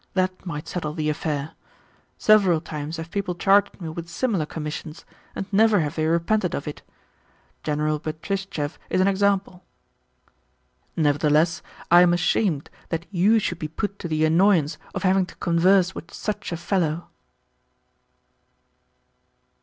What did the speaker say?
That might settle the affair. Several times have people charged me with similar commissions, and never have they repented of it. General Betristchev is an example." "Nevertheless I am ashamed that you should be put to the annoyance of having to converse with such a fellow."